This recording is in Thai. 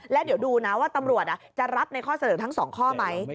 แล้วเดี๋ยวดูนะว่าตำรวจจะรับในข้อเสนอทั้ง๒ข้อไหม